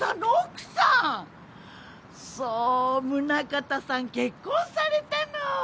そう宗形さん結婚されたの。